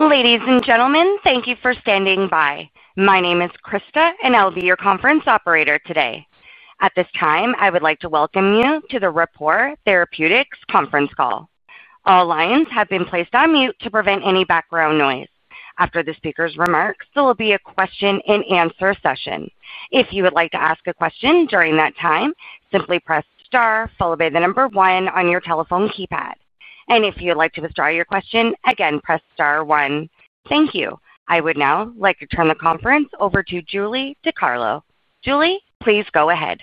Ladies and gentlemen, thank you for standing by. My name is Krista, and I'll be your conference operator today. At this time, I would like to welcome you to the Rapport Therapeutics Conference Call. All lines have been placed on mute to prevent any background noise. After the speaker's remarks, there will be a question and answer session. If you would like to ask a question during that time, simply press star followed by the number one on your telephone keypad. If you would like to withdraw your question, again press star one. Thank you. I would now like to turn the conference over to Julie DiCarlo. Julie, please go ahead.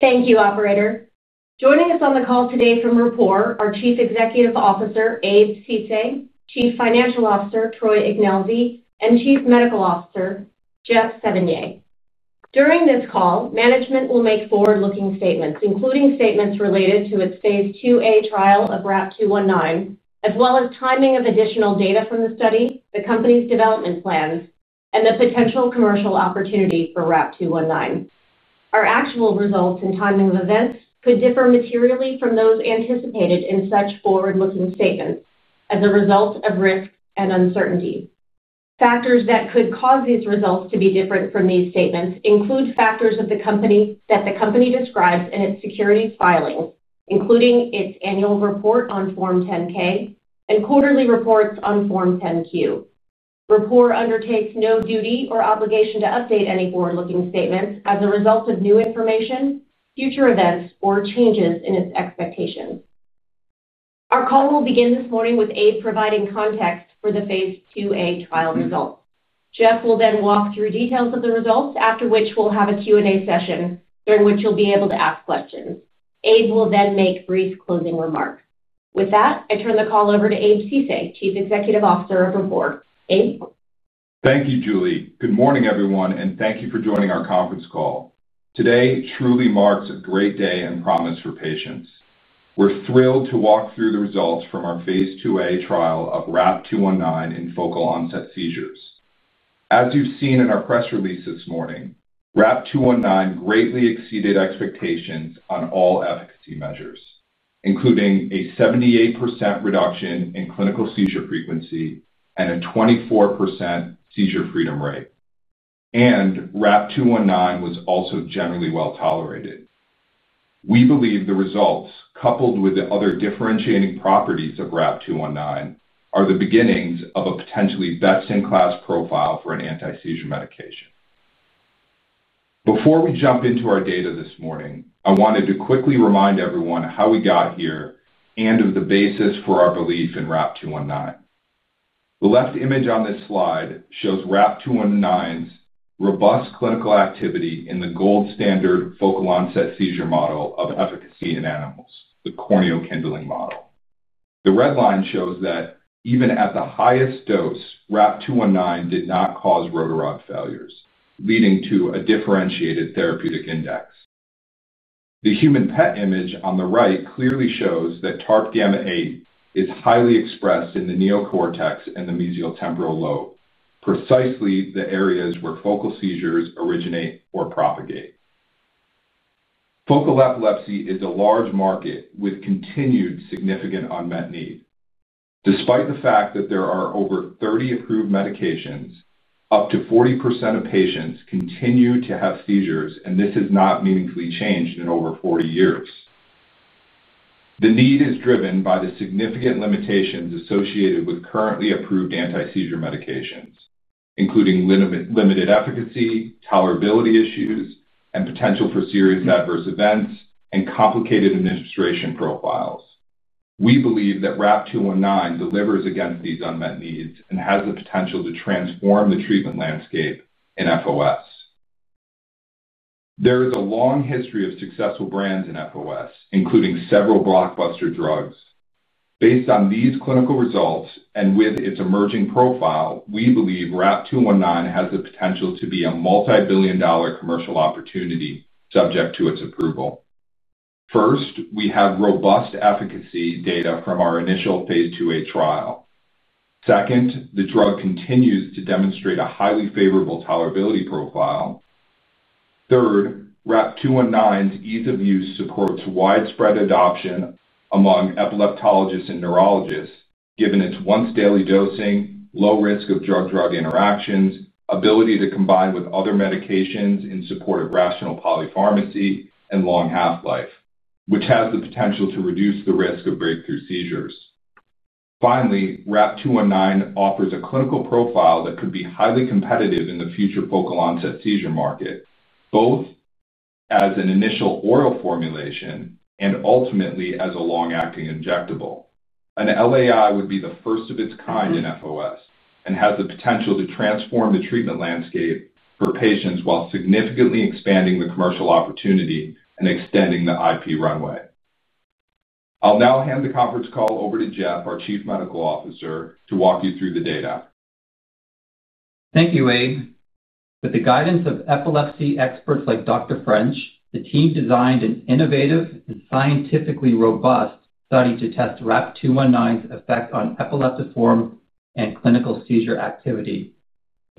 Thank you, Operator. Joining us on the call today from Rapport are Chief Executive Officer Abe Ceesay, Chief Financial Officer Troy Ignelzi, and Chief Medical Officer Jeff Sevigny. During this call, management will make forward-looking statements, including statements related to its phase II-A trial of RAP-219, as well as timing of additional data from the study, the company's development plans, and the potential commercial opportunity for RAP-219. Our actual results and timing of events could differ materially from those anticipated in such forward-looking statements as a result of risk and uncertainty. Factors that could cause these results to be different from these statements include factors of the company that the company describes in its securities filings, including its annual report on Form 10-K and quarterly reports on Form 10-Q. Rapport undertakes no duty or obligation to update any forward-looking statements as a result of new information, future events, or changes in its expectations. Our call will begin this morning with Abe providing context for the phase II-A trial results. Jeff will then walk through details of the results, after which we'll have a Q&A session during which you'll be able to ask questions. Abe will then make brief closing remarks. With that, I turn the call over to Abe Ceesay, Chief Executive Officer of Rapport. Abe? Thank you, Julie. Good morning, everyone, and thank you for joining our conference call. Today truly marks a great day and promise for patients. We're thrilled to walk through the results from our phase II-A trial of RAP-219 in focal onset seizures. As you've seen in our press release this morning, RAP-219 greatly exceeded expectations on all efficacy measures, including a 78% reduction in clinical seizure frequency and a 24% seizure freedom rate. RAP-219 was also generally well tolerated. We believe the results, coupled with the other differentiating properties of RAP-219, are the beginnings of a potentially best-in-class profile for an anti-seizure medication. Before we jump into our data this morning, I wanted to quickly remind everyone how we got here and of the basis for our belief in RAP-219. The left image on this slide shows RAP-219's robust clinical activity in the gold standard focal onset seizure model of efficacy in animals, the corneal kindling model. The red line shows that even at the highest dose, RAP-219 did not cause rotor rod failures, leading to a differentiated therapeutic index. The human PET image on the right clearly shows that TARP γ-8 is highly expressed in the neocortex and the mesial temporal lobe, precisely the areas where focal seizures originate or propagate. Focal epilepsy is a large market with continued significant unmet need. Despite the fact that there are over 30 approved medications, up to 40% of patients continue to have seizures, and this has not meaningfully changed in over 40 years. The need is driven by the significant limitations associated with currently approved anti-seizure medications, including limited efficacy, tolerability issues, potential for serious adverse events, and complicated administration profiles. We believe that RAP-219 delivers against these unmet needs and has the potential to transform the treatment landscape in FOS. There is a long history of successful brands in FOS, including several blockbuster drugs. Based on these clinical results and with its emerging profile, we believe RAP-219 has the potential to be a multi-billion dollar commercial opportunity subject to its approval. First, we have robust efficacy data from our initial phase II-A trial. Second, the drug continues to demonstrate a highly favorable tolerability profile. Third, RAP-219's ease of use supports widespread adoption among epileptologists and neurologists, given its once-daily dosing, low risk of drug-drug interactions, ability to combine with other medications in support of rational polypharmacy, and long half-life, which has the potential to reduce the risk of breakthrough seizures. Finally, RAP-219 offers a clinical profile that could be highly competitive in the future focal onset seizure market, both as an initial oral formulation and ultimately as a long-acting injectable. An LAI would be the first of its kind in FOS and has the potential to transform the treatment landscape for patients while significantly expanding the commercial opportunity and extending the IP runway. I'll now hand the conference call over to Jeff, our Chief Medical Officer, to walk you through the data. Thank you, Abe. With the guidance of epilepsy experts like Dr. French, the team designed an innovative and scientifically robust study to test RAP-219's effect on epileptiform and clinical seizure activity.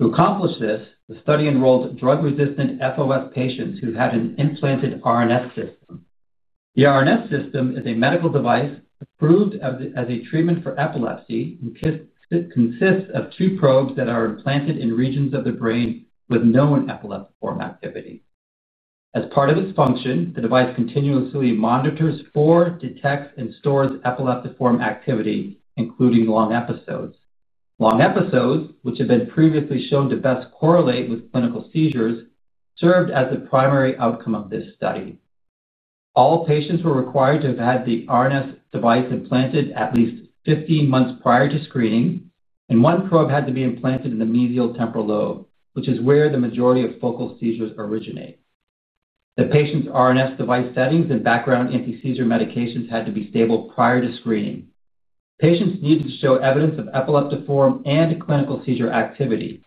To accomplish this, the study enrolled drug-resistant FOS patients who've had an implanted RNS system. The RNS system is a medical device approved as a treatment for epilepsy and consists of two probes that are implanted in regions of the brain with known epileptiform activity. As part of its function, the device continuously monitors, detects, and stores epileptiform activity, including long episodes. Long episodes, which have been previously shown to best correlate with clinical seizures, served as the primary outcome of this study. All patients were required to have had the RNS device implanted at least 15 months prior to screening, and one probe had to be implanted in the mesial temporal lobe, which is where the majority of focal seizures originate. The patient's RNS device settings and background anti-seizure medications had to be stable prior to screening. Patients needed to show evidence of epileptiform and clinical seizure activity,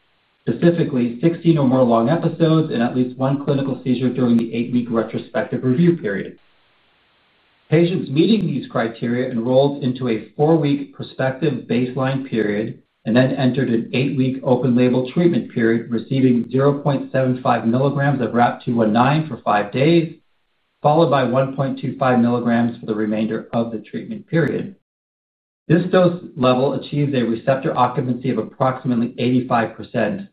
specifically 16 or more long episodes and at least one clinical seizure during the eight-week retrospective review period. Patients meeting these criteria enrolled into a four-week prospective baseline period and then entered an eight-week open-label treatment period, receiving 0.75 mg of RAP-219 for five days, followed by 1.25 mg for the remainder of the treatment period. This dose level achieves a receptor occupancy of approximately 85%,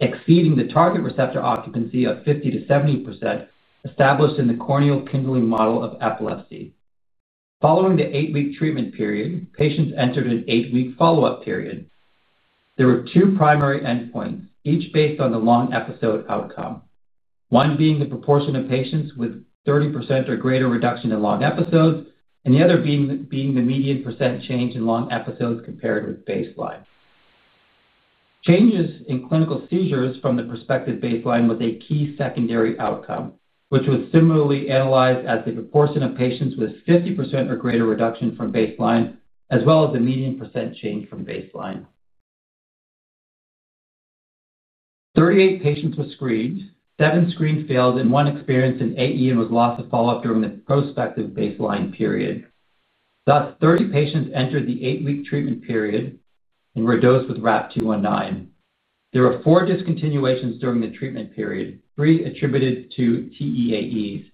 exceeding the target receptor occupancy of 50%-70% established in the corneal kindling model of epilepsy. Following the eight-week treatment period, patients entered an eight-week follow-up period. There were two primary endpoints, each based on the long episode outcome, one being the proportion of patients with 30% or greater reduction in long episodes and the other being the median percent change in long episodes compared with baseline. Changes in clinical seizures from the prospective baseline were the key secondary outcome, which was similarly analyzed as the proportion of patients with 50% or greater reduction from baseline, as well as the median percent change from baseline. Thirty-eight patients were screened, seven screens failed, and one experienced an AE and was lost to follow-up during the prospective baseline period. Thus, 30 patients entered the eight-week treatment period and were dosed with RAP-219. There were four discontinuations during the treatment period, three attributed to TEAE.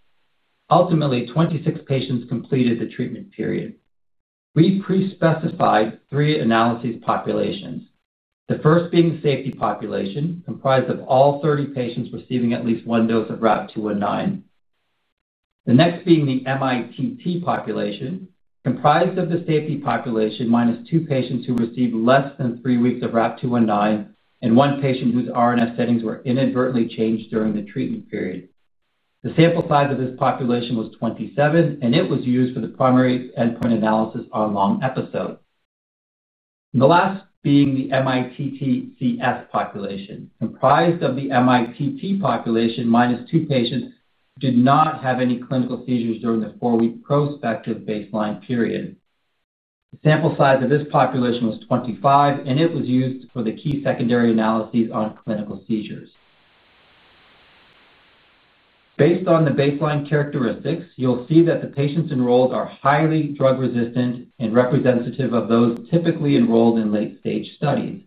Ultimately, 26 patients completed the treatment period. We pre-specified three analyses populations, the first being the safety population, comprised of all 30 patients receiving at least one dose of RAP-219. The next being the mITT population, comprised of the safety population minus two patients who received less than three weeks of RAP-219 and one patient whose RNS settings were inadvertently changed during the treatment period. The sample size of this population was 27, and it was used for the primary endpoint analysis on long episodes. The last being the mITT-CS population, comprised of the mITT population minus two patients who did not have any clinical seizures during the four-week prospective baseline period. The sample size of this population was 25, and it was used for the key secondary analyses on clinical seizures. Based on the baseline characteristics, you'll see that the patients enrolled are highly drug-resistant and representative of those typically enrolled in late-stage studies.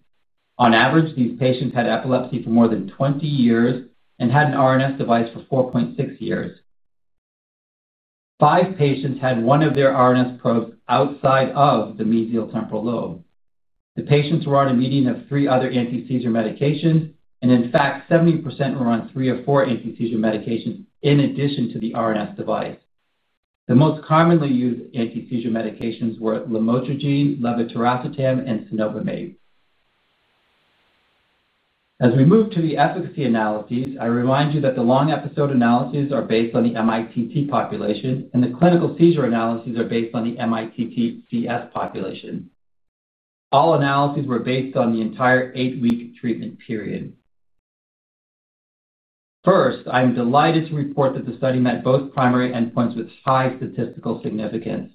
On average, these patients had epilepsy for more than 20 years and had an RNS device for 4.6 years. Five patients had one of their RNS probes outside of the mesial temporal lobe. The patients were on a median of three other anti-seizure medications, and in fact, 70% were on three or four anti-seizure medications in addition to the RNS device. The most commonly used anti-seizure medications were lamotrigine, levetiracetam, and cenobamate. As we move to the efficacy analyses, I remind you that the long episode analyses are based on the mITT population, and the clinical seizure analyses are based on the mITT-CS population. All analyses were based on the entire eight-week treatment period. First, I'm delighted to report that the study met both primary endpoints with high statistical significance.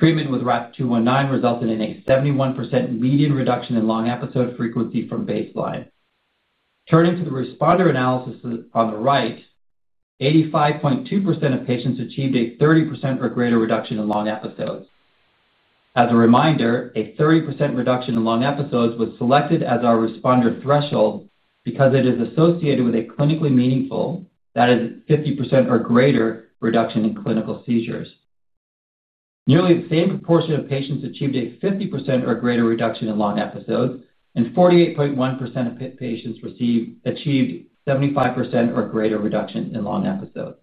Treatment with RAP-219 resulted in a 71% median reduction in long episode frequency from baseline. Turning to the responder analysis on the right, 85.2% of patients achieved a 30% or greater reduction in long episodes. As a reminder, a 30% reduction in long episodes was selected as our responder threshold because it is associated with a clinically meaningful, that is, a 50% or greater reduction in clinical seizures. Nearly the same proportion of patients achieved a 50% or greater reduction in long episodes, and 48.1% of patients achieved a 75% or greater reduction in long episodes.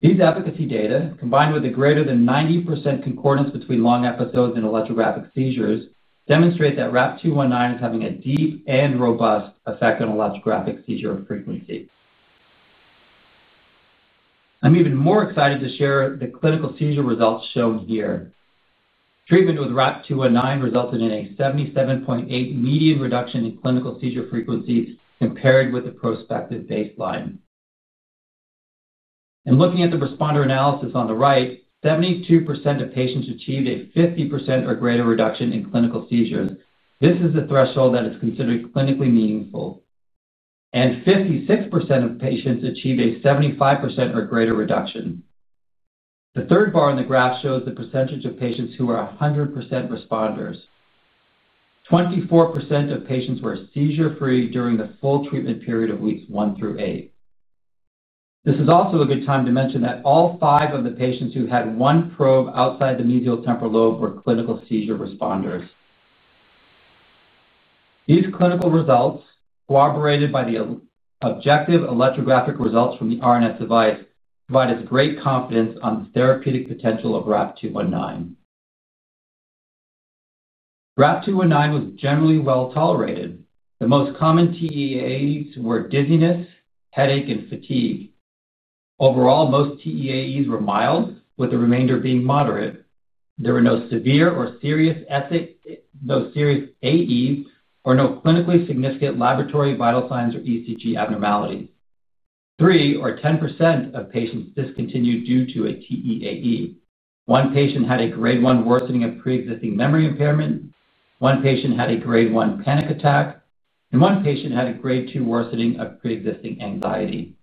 These efficacy data, combined with the greater than 90% concordance between long episodes and electrographic seizures, demonstrate that RAP-219 is having a deep and robust effect on electrographic seizure frequency. I'm even more excited to share the clinical seizure results shown here. Treatment with RAP-219 resulted in a 77.8% median reduction in clinical seizure frequency compared with the prospective baseline. Looking at the responder analysis on the right, 72% of patients achieved a 50% or greater reduction in clinical seizures. This is a threshold that is considered clinically meaningful. 56% of patients achieved a 75% or greater reduction. The third bar on the graph shows the percentage of patients who are 100% responders. 24% percent of patients were seizure-free during the full treatment period of weeks one through eight. This is also a good time to mention that all five of the patients who had one probe outside the mesial temporal lobe were clinical seizure responders. These clinical results, corroborated by the objective electrographic results from the RNS system, provided great confidence on the therapeutic potential of RAP-219. RAP-219 was generally well tolerated. The most common TEAEs were dizziness, headache, and fatigue. Overall, most TEAEs were mild, with the remainder being moderate. There were no severe or serious AEs or clinically significant laboratory vital signs or ECG abnormality. Three or 10% of patients discontinued due to a TEAE. One patient had a grade one worsening of pre-existing memory impairment, one patient had a grade one panic attack, and one patient had a grade two worsening of pre-existing anxiety.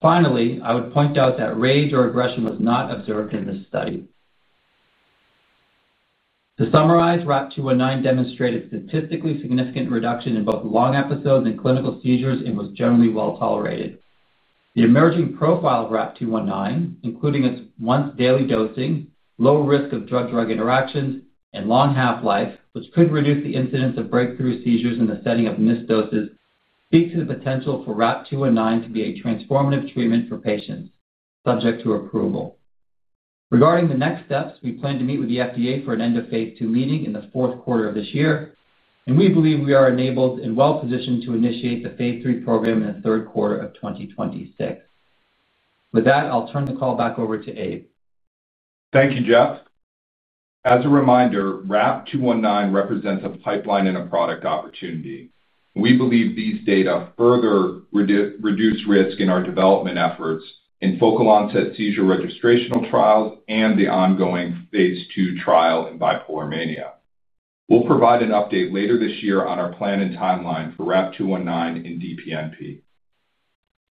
Finally, I would point out that rage or aggression was not observed in this study. To summarize, RAP-219 demonstrated a statistically significant reduction in both long episodes and clinical seizures and was generally well tolerated. The emerging profile of RAP-219, including its once-daily dosing, low risk of drug-drug interactions, and long half-life, which could reduce the incidence of breakthrough seizures in the setting of missed doses, speaks to the potential for RAP-219 to be a transformative treatment for patients subject to approval. Regarding the next steps, we plan to meet with the FDA for an end-of-phase II meeting in the fourth quarter of this year, and we believe we are enabled and well positioned to initiate the phase III program in the third quarter of 2026. With that, I'll turn the call back over to Abe. Thank you, Jeff. As a reminder, RAP-219 represents a pipeline and a product opportunity. We believe these data further reduce risk in our development efforts in focal onset seizure registrational trials and the ongoing phase II trial in bipolar mania. We'll provide an update later this year on our plan and timeline for RAP-219 in DPNP.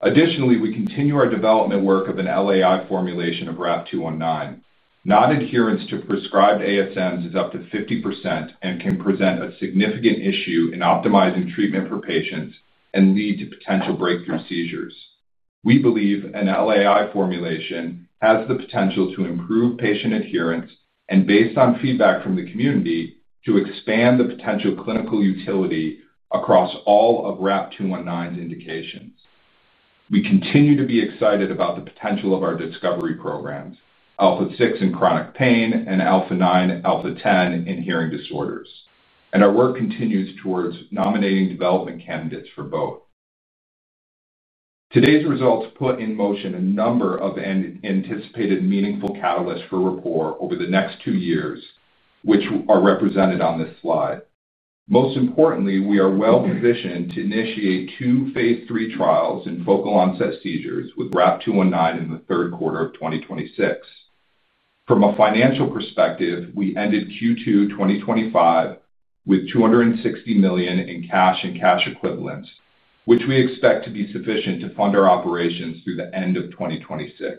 Additionally, we continue our development work of an LAI formulation of RAP-219. Nonadherence to prescribed anti-seizure medications is up to 50% and can present a significant issue in optimizing treatment for patients and lead to potential breakthrough seizures. We believe an LAI formulation has the potential to improve patient adherence and, based on feedback from the community, to expand the potential clinical utility across all of RAP-219's indications. We continue to be excited about the potential of our discovery programs, α6 in chronic pain and α9α10 in hearing disorders. Our work continues towards nominating development candidates for both. Today's results put in motion a number of anticipated meaningful catalysts for Rapport over the next two years, which are represented on this slide. Most importantly, we are well positioned to initiate two phase III trials in focal onset seizures with RAP-219 in the third quarter of 2026. From a financial perspective, we ended Q2 2025 with $260 million in cash and cash equivalents, which we expect to be sufficient to fund our operations through the end of 2026.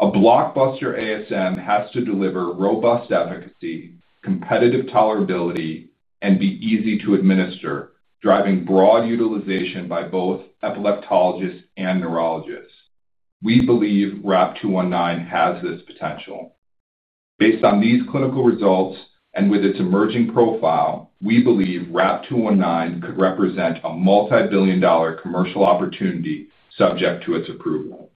A blockbuster anti-seizure medication has to deliver robust efficacy, competitive tolerability, and be easy to administer, driving broad utilization by both epileptologists and neurologists. We believe RAP-219 has this potential. Based on these clinical results and with its emerging profile, we believe RAP-219 could represent a multi-billion dollar commercial opportunity subject to its approval.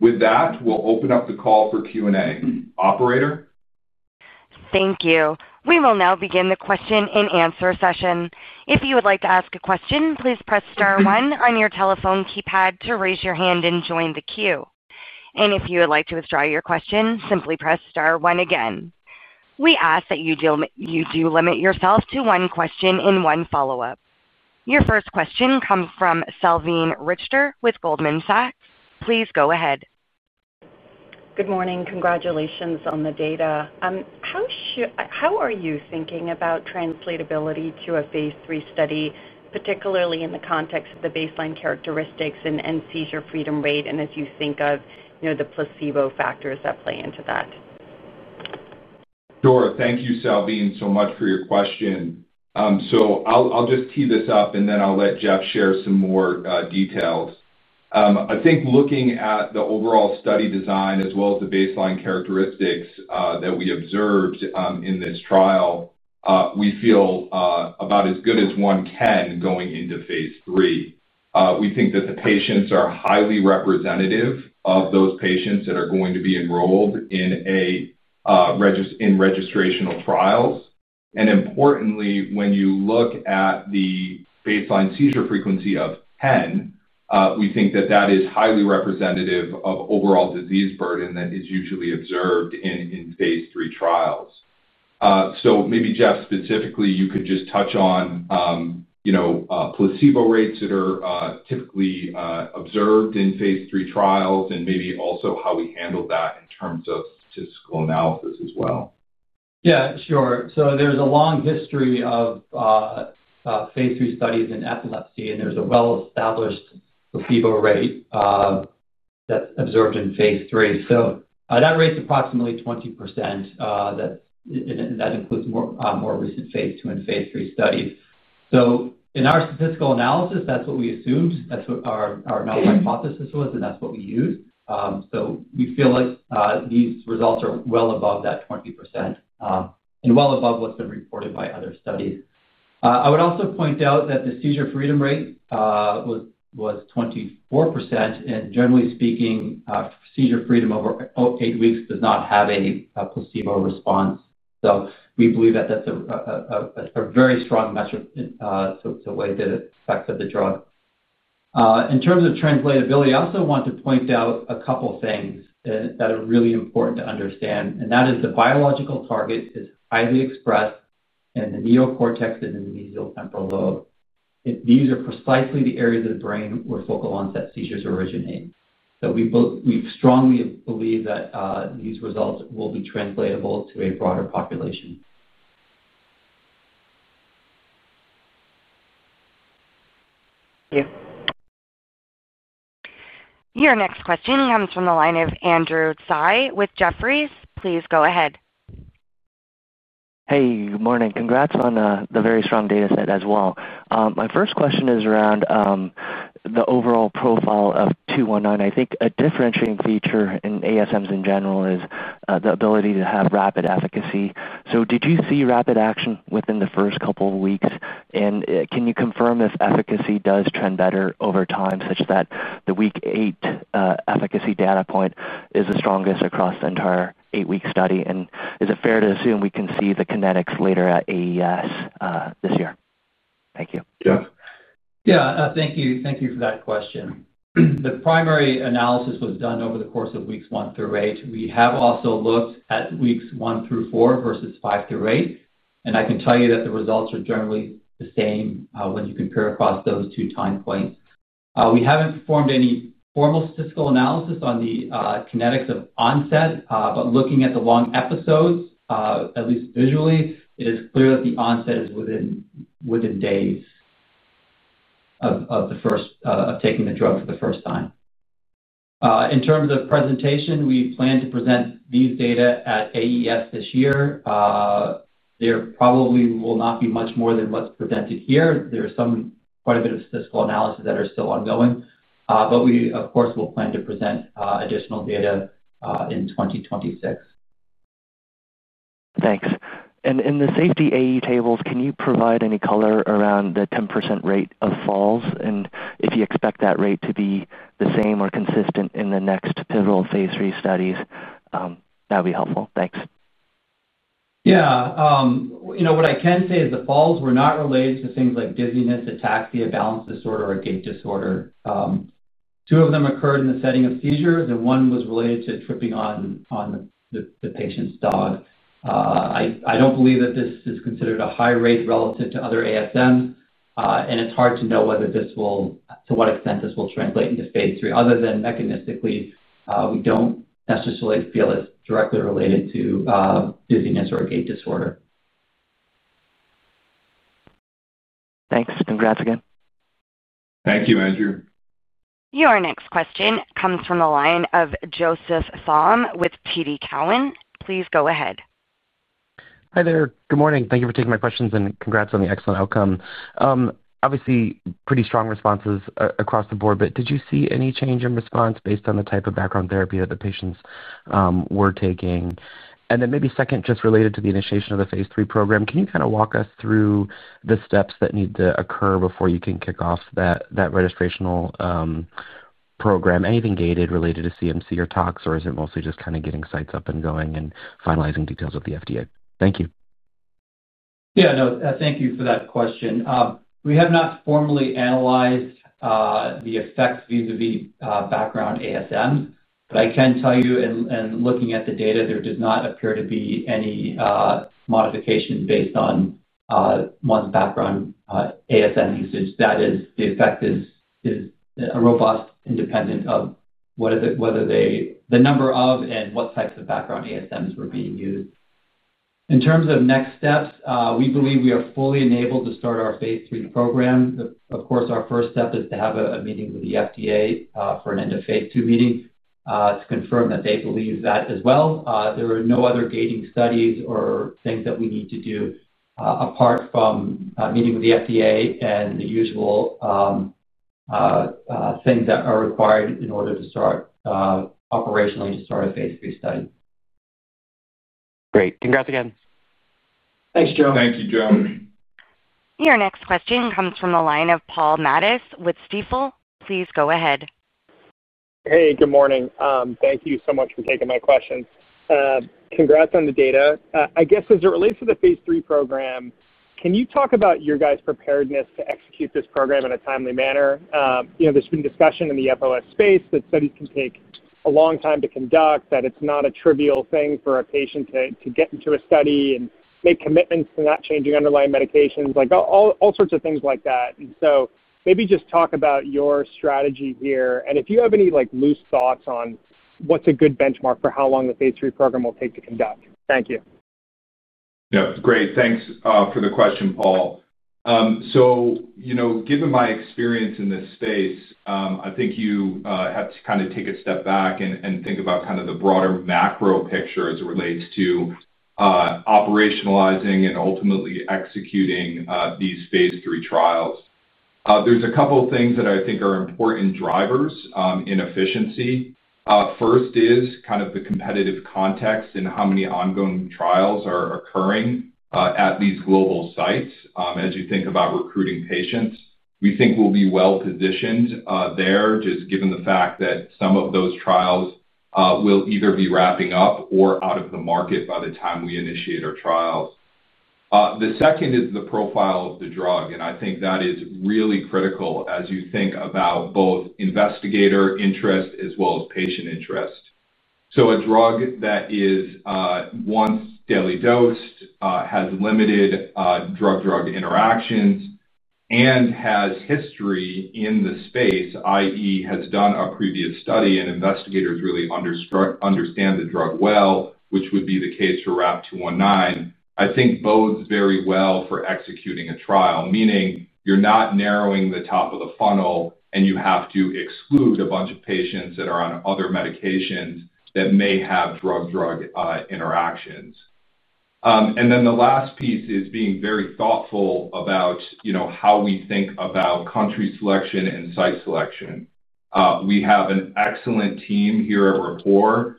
With that, we'll open up the call for Q&A. Operator? Thank you. We will now begin the question and answer session. If you would like to ask a question, please press star one on your telephone keypad to raise your hand and join the queue. If you would like to withdraw your question, simply press star one again. We ask that you do limit yourself to one question and one follow-up. Your first question comes from Salveen Richter with Goldman Sachs. Please go ahead. Good morning. Congratulations on the data. How are you thinking about translatability to a phase III study, particularly in the context of the baseline characteristics and seizure freedom rate? As you think of the placebo factors that play into that? Sure. Thank you, Salveen, so much for your question. I'll just tee this up, and then I'll let Jeff share some more details. I think looking at the overall study design as well as the baseline characteristics that we observed in this trial, we feel about as good as one can going into phase III. We think that the patients are highly representative of those patients that are going to be enrolled in registrational trials. Importantly, when you look at the baseline seizure frequency of 10, we think that is highly representative of overall disease burden that is usually observed in phase III trials. Jeff, specifically, you could just touch on placebo rates that are typically observed in phase III trials and maybe also how we handle that in terms of statistical analysis as well. Yeah, sure. There's a long history of phase III trials in epilepsy, and there's a well-established placebo rate that's observed in phase III. That rate's approximately 20%. That includes more recent phase II and phase III studies. In our statistical analysis, that's what we assumed. That's what our outright hypothesis was, and that's what we used. We feel like these results are well above that 20% and well above what's been reported by other studies. I would also point out that the seizure freedom rate was 24%, and generally speaking, seizure freedom over eight weeks does not have any placebo response. We believe that that's a very strong metric to weigh the effects of the drug. In terms of translatability, I also want to point out a couple of things that are really important to understand, and that is the biological target is highly expressed in the neocortex and in the mesial temporal lobe. These are precisely the areas of the brain where focal onset seizures originate. We strongly believe that these results will be translatable to a broader population. Thank you. Your next question comes from the line of Andrew Tsai with Jefferies. Please go ahead. Hey, good morning. Congrats on the very strong data set as well. My first question is around the overall profile of RAP-219. I think a differentiating feature in anti-seizure medications in general is the ability to have rapid efficacy. Did you see rapid action within the first couple of weeks? Can you confirm if efficacy does trend better over time, such that the week eight efficacy data point is the strongest across the entire eight-week study? Is it fair to assume we can see the kinetics later at AES this year? Thank you. Jeff. Thank you for that question. The primary analysis was done over the course of weeks one through eight. We have also looked at weeks one through four versus five through eight. I can tell you that the results are generally the same when you compare across those two time points. We haven't performed any formal statistical analysis on the kinetics of onset, but looking at the long episodes, at least visually, it is clear that the onset is within days of taking the drug for the first time. In terms of presentation, we plan to present these data at AES this year. There probably will not be much more than what's presented here. There's quite a bit of statistical analysis that is still ongoing. We, of course, will plan to present additional data in 2026. Thanks. In the safety AE tables, can you provide any color around the 10% rate of falls? If you expect that rate to be the same or consistent in the next pivotal phase III studies, that would be helpful. Thanks. Yeah. What I can say is that falls were not related to things like dizziness, ataxia, balance disorder, or gait disorder. Two of them occurred in the setting of seizures, and one was related to tripping on the patient's dog. I don't believe that this is considered a high rate relative to other anti-seizure medications. It's hard to know to what extent this will translate into phase III. Other than mechanistically, we don't necessarily feel it's directly related to dizziness or gait disorder. Thanks. Congrats again. Thank you, Andrew. Your next question comes from the line of Joseph Thom with TD Cowen. Please go ahead. Hi there. Good morning. Thank you for taking my questions, and congrats on the excellent outcome. Obviously, pretty strong responses across the board. Did you see any change in response based on the type of background therapy that the patients were taking? Maybe second, just related to the initiation of the phase III program, can you kind of walk us through the steps that need to occur before you can kick off that registrational program? Anything gated related to CMC or TOX, or is it mostly just kind of getting sites up and going and finalizing details with the FDA? Thank you. Thank you for that question. We have not formally analyzed the effects of these background anti-seizure medications, but I can tell you, in looking at the data, there does not appear to be any modification based on one's background anti-seizure medication usage. That is, the effect is robust and not dependent on whether the number of and what types of background anti-seizure medications were being used. In terms of next steps, we believe we are fully enabled to start our phase III program. Of course, our first step is to have a meeting with the FDA for an end-of-phase II meeting to confirm that they believe that as well. There are no other gating studies or things that we need to do apart from a meeting with the FDA and the usual things that are required in order to start operationally to start a phase III study. Great. Congrats again. Thanks, Joe. Thank you, Joe. Your next question comes from the line of Paul Matteis with Stifel. Please go ahead. Hey, good morning. Thank you so much for taking my question. Congrats on the data. I guess as it relates to the phase III program, can you talk about your guys' preparedness to execute this program in a timely manner? There's been discussion in the FOS space that studies can take a long time to conduct, that it's not a trivial thing for a patient to get into a study and make commitments to not changing underlying medications, like all sorts of things like that. Maybe just talk about your strategy here. If you have any loose thoughts on what's a good benchmark for how long the phase III program will take to conduct. Thank you. Yeah, great. Thanks for the question, Paul. Given my experience in this space, I think you have to kind of take a step back and think about the broader macro picture as it relates to operationalizing and ultimately executing these phase III trials. There are a couple of things that I think are important drivers in efficiency. First is the competitive context and how many ongoing trials are occurring at these global sites as you think about recruiting patients. We think we'll be well positioned there, just given the fact that some of those trials will either be wrapping up or out of the market by the time we initiate our trials. The second is the profile of the drug, and I think that is really critical as you think about both investigator interest as well as patient interest. A drug that is once daily dosed, has limited drug-drug interactions, and has history in the space, i.e., has done a previous study and investigators really understand the drug well, which would be the case for RAP-219, I think bodes very well for executing a trial, meaning you're not narrowing the top of the funnel and you have to exclude a bunch of patients that are on other medications that may have drug-drug interactions. The last piece is being very thoughtful about how we think about country selection and site selection. We have an excellent team here at Rapport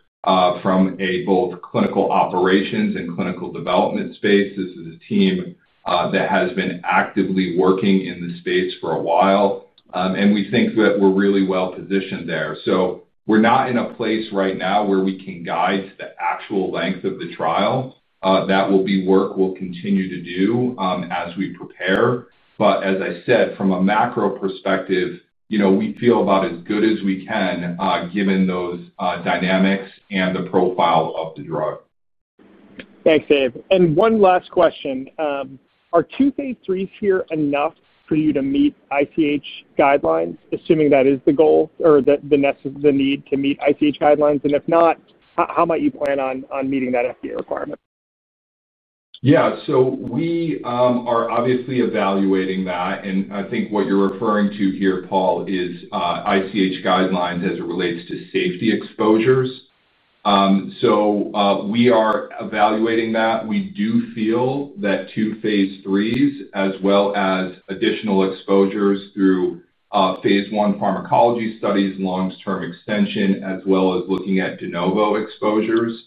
from both clinical operations and clinical development space. This is a team that has been actively working in the space for a while. We think that we're really well positioned there. We're not in a place right now where we can guide the actual length of the trial. That will be work we'll continue to do as we prepare. As I said, from a macro perspective, we feel about as good as we can given those dynamics and the profile of the drug. Thanks, Abe. One last question. Are two phase IIIs here enough for you to meet ICH guidelines, assuming that is the goal or the need to meet ICH guidelines? If not, how might you plan on meeting that FDA requirement? We are obviously evaluating that. I think what you're referring to here, Paul, is ICH guidelines as it relates to safety exposures. We are evaluating that. We do feel that two phase IIIs, as well as additional exposures through phase I pharmacology studies and long-term extension, as well as looking at de novo exposures,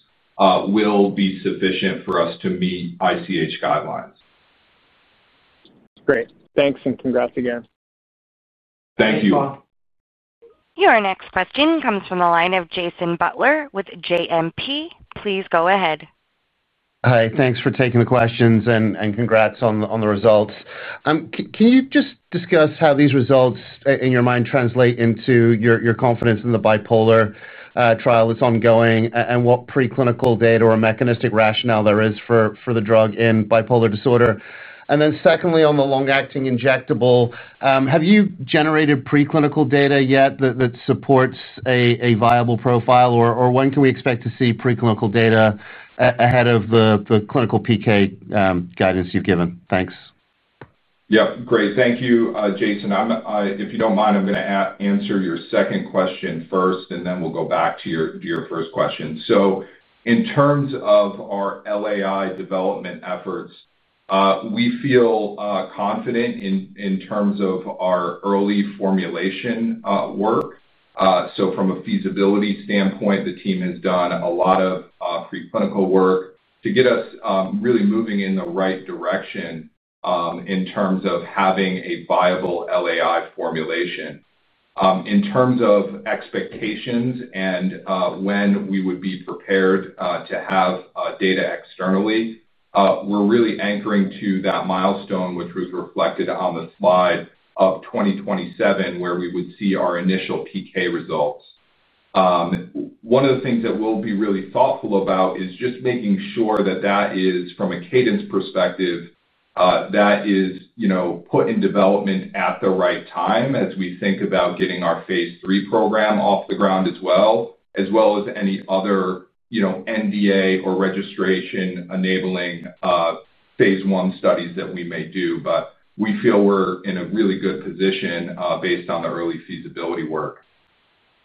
will be sufficient for us to meet ICH guidelines. Great. Thanks and congrats again. Thank you. Your next question comes from the line of Jason Butler with JMP. Please go ahead. Hi. Thanks for taking the questions and congrats on the results. Can you just discuss how these results, in your mind, translate into your confidence in the bipolar trial that's ongoing and what preclinical data or mechanistic rationale there is for the drug in bipolar disorder? Secondly, on the long-acting injectable, have you generated preclinical data yet that supports a viable profile, or when can we expect to see preclinical data ahead of the clinical PK guidance you've given? Thanks. Yeah, great. Thank you, Jason. If you don't mind, I'm going to answer your second question first, and then we'll go back to your first question. In terms of our LAI development efforts, we feel confident in terms of our early formulation work. From a feasibility standpoint, the team has done a lot of preclinical work to get us really moving in the right direction in terms of having a viable LAI formulation. In terms of expectations and when we would be prepared to have data externally, we're really anchoring to that milestone, which was reflected on the slide of 2027, where we would see our initial PK results. One of the things that we'll be really thoughtful about is just making sure that that is, from a cadence perspective, put in development at the right time as we think about getting our phase III program off the ground as well as any other NDA or registration-enabling phase I studies that we may do. We feel we're in a really good position based on the early feasibility work.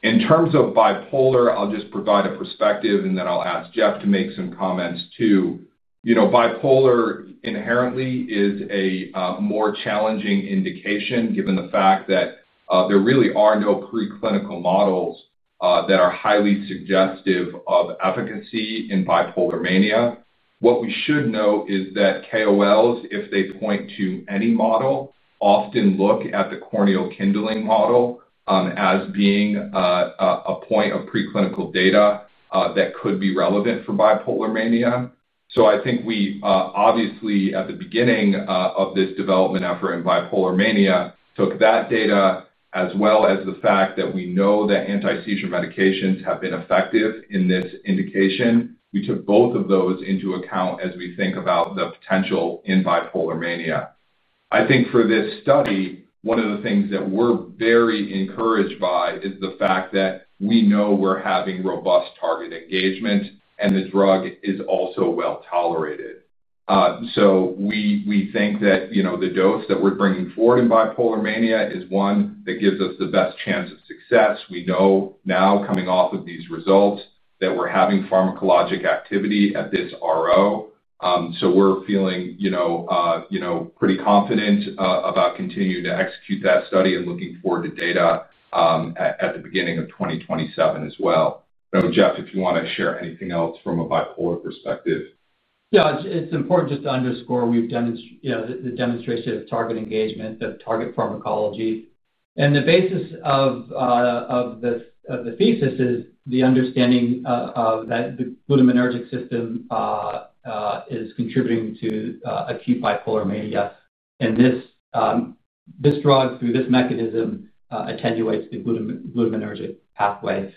In terms of bipolar, I'll just provide a perspective, and then I'll ask Jeff to make some comments too. You know, bipolar inherently is a more challenging indication given the fact that there really are no preclinical models that are highly suggestive of efficacy in bipolar mania. What we should note is that KOLs, if they point to any model, often look at the corneal kindling model as being a point of preclinical data that could be relevant for bipolar mania. I think we obviously, at the beginning of this development effort in bipolar mania, took that data, as well as the fact that we know that anti-seizure medications have been effective in this indication. We took both of those into account as we think about the potential in bipolar mania. I think for this study, one of the things that we're very encouraged by is the fact that we know we're having robust target engagement and the drug is also well tolerated. We think that the dose that we're bringing forward in bipolar mania is one that gives us the best chance of success. We know now, coming off of these results, that we're having pharmacologic activity at this RO. We're feeling pretty confident about continuing to execute that study and looking forward to data at the beginning of 2027 as well. Jeff, if you want to share anything else from a bipolar perspective. Yeah, it's important just to underscore the demonstration of target engagement, of target pharmacology. The basis of the thesis is the understanding that the glutaminergic system is contributing to acute bipolar mania. This drug, through this mechanism, attenuates the glutaminergic pathway.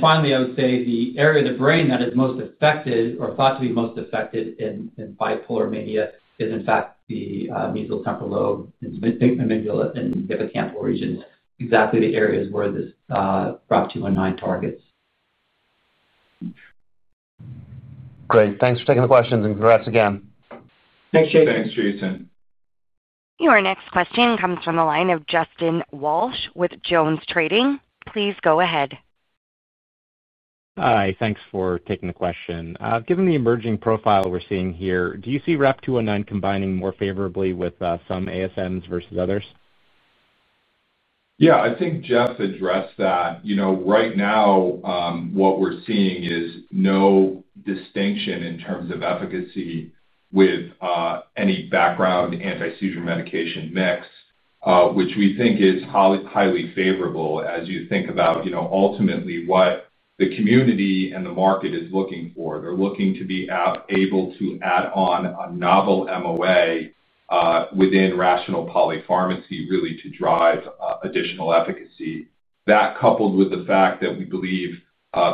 Finally, I would say the area of the brain that is most affected or thought to be most affected in bipolar mania is, in fact, the mesial temporal lobe, the amygdalar, and hippocampal regions, exactly the areas where RAP-219 targets. Great. Thanks for taking the questions and congrats again. Thanks, Jason. Thanks, Jason. Your next question comes from the line of Justin Walsh with JonesTrading. Please go ahead. Hi. Thanks for taking the question. Given the emerging profile we're seeing here, do you see RAP-219 combining more favorably with some ASMs versus others? Yeah, I think Jeff's addressed that. Right now, what we're seeing is no distinction in terms of efficacy with any background anti-seizure medication mix, which we think is highly favorable as you think about, ultimately, what the community and the market is looking for. They're looking to be able to add on a novel MOA within rational polypharmacy, really to drive additional efficacy. That, coupled with the fact that we believe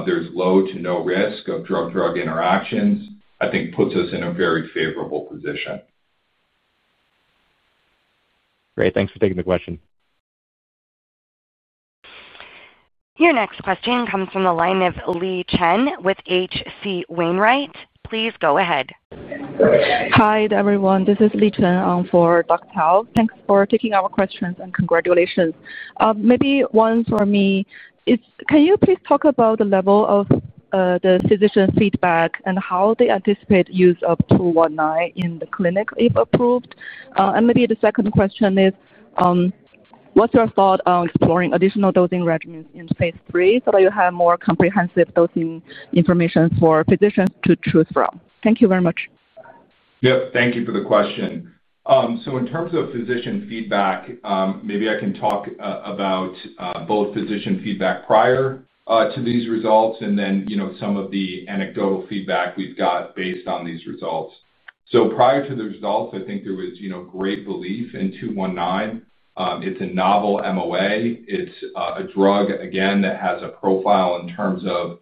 there's low to no risk of drug-drug interactions, I think puts us in a very favorable position. Great. Thanks for taking the question. Your next question comes from the line of Li Chen with H.C. Wainwright. Please go ahead. Hi everyone. This is Li Chen for Dr. Tao. Thanks for taking our questions and congratulations. Maybe one for me is, can you please talk about the level of the physician feedback and how they anticipate the use of RAP-219 in the clinic if approved? Maybe the second question is, what's your thought on exploring additional dosing regimens in phase III so that you have more comprehensive dosing information for physicians to choose from? Thank you very much. Thank you for the question. In terms of physician feedback, maybe I can talk about both physician feedback prior to these results and then some of the anecdotal feedback we've got based on these results. Prior to the results, I think there was great belief in RAP-219. It's a novel MOA. It's a drug, again, that has a profile in terms of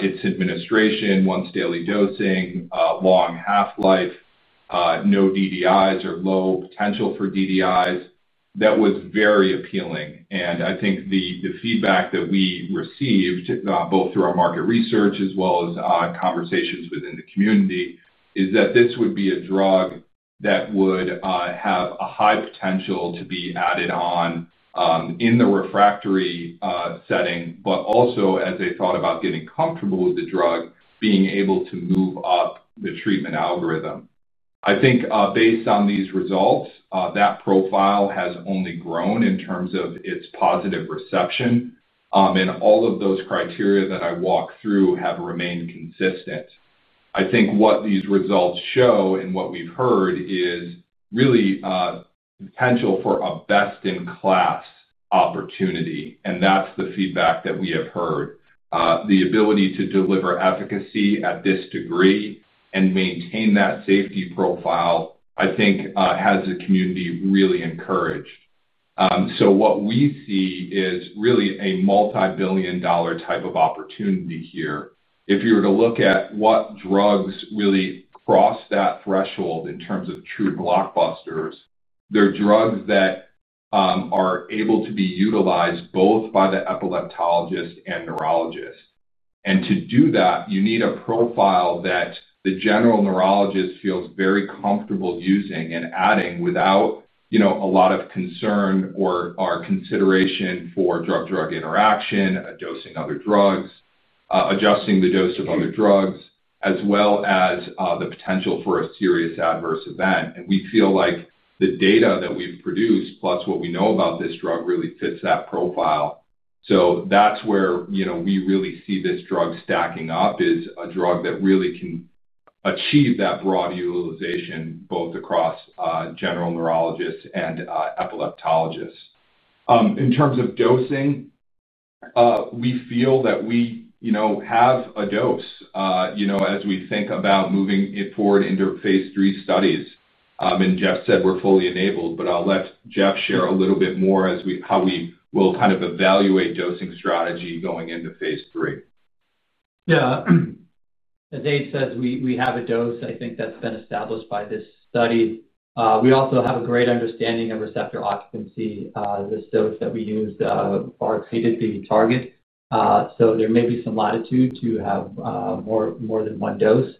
its administration, once daily dosing, long half-life, no DDIs, or low potential for DDIs. That was very appealing. I think the feedback that we received, both through our market research as well as conversations within the community, is that this would be a drug that would have a high potential to be added on in the refractory setting, but also as they thought about getting comfortable with the drug, being able to move up the treatment algorithm. I think based on these results, that profile has only grown in terms of its positive reception. All of those criteria that I walked through have remained consistent. I think what these results show and what we've heard is really the potential for a best-in-class opportunity. That's the feedback that we have heard. The ability to deliver efficacy at this degree and maintain that safety profile, I think, has the community really encouraged. What we see is really a multi-billion dollar type of opportunity here. If you were to look at what drugs really cross that threshold in terms of true blockbusters, they're drugs that are able to be utilized both by the epileptologist and neurologist. To do that, you need a profile that the general neurologist feels very comfortable using and adding without a lot of concern or consideration for drug-drug interaction, dosing other drugs, adjusting the dose of other drugs, as well as the potential for a serious adverse event. We feel like the data that we've produced, plus what we know about this drug, really fits that profile. That's where we really see this drug stacking up as a drug that really can achieve that broad utilization both across general neurologists and epileptologists. In terms of dosing, we feel that we have a dose as we think about moving it forward into phase III studies. Jeff said we're fully enabled, but I'll let Jeff share a little bit more as to how we will kind of evaluate dosing strategy going into phase III. Yeah. As Abe says, we have a dose, I think, that's been established by this study. We also have a great understanding of receptor occupancy in this dose that we used for our KDP target. There may be some latitude to have more than one dose.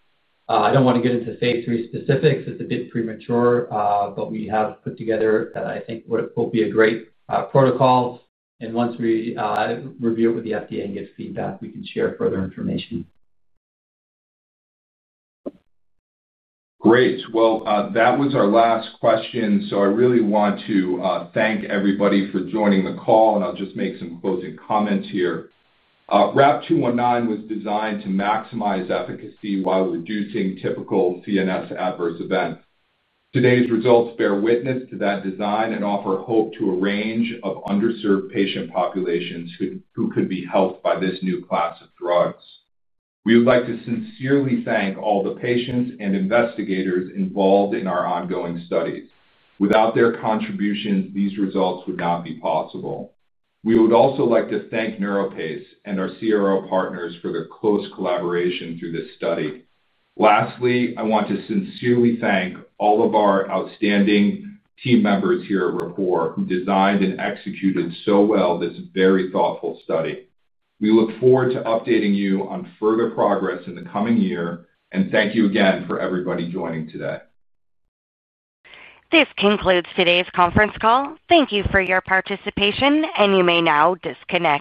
I don't want to get into phase III specifics. It's a bit premature, but we have put together what I think will be a great protocol. Once we review it with the FDA and get feedback, we can share further information. Great. That was our last question. I really want to thank everybody for joining the call, and I'll just make some closing comments here. RAP-219 was designed to maximize efficacy while reducing typical CNS adverse events. Today's results bear witness to that design and offer hope to a range of underserved patient populations who could be helped by this new class of drugs. We would like to sincerely thank all the patients and investigators involved in our ongoing study. Without their contribution, these results would not be possible. We would also like to thank NeuroPace and our CRO partners for their close collaboration through this study. Lastly, I want to sincerely thank all of our outstanding team members here at Rapport who designed and executed so well this very thoughtful study. We look forward to updating you on further progress in the coming year. Thank you again for everybody joining today. This concludes today's conference call. Thank you for your participation, and you may now disconnect.